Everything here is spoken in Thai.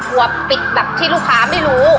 วัวปิดแบบที่ลูกค้าไม่รู้